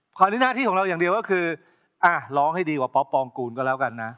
คราวนี้หน้าที่ของเราอย่างเดียวก็คือร้องให้ดีกว่าป๊อปปองกูลก็แล้วกันนะ